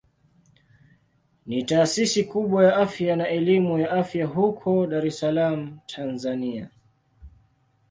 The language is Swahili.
Ni taasisi kubwa ya afya na elimu ya afya huko Dar es Salaam Tanzania.